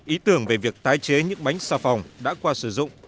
ý tưởng về việc tái chế những bánh xà phòng đã qua sử dụng